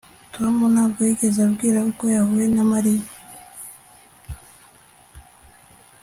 Tom ntabwo yigeze ambwira uko yahuye na Mariya